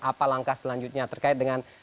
apa langkah selanjutnya terkait dengan